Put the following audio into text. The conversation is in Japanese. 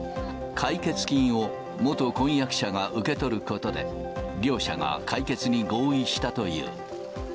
解決金を元婚約者が受け取ることで、両者が解決に合意したという。